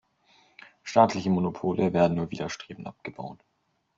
Staatliche Monopole werden nur widerstrebend abgebaut.